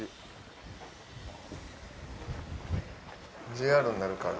ＪＲになるから。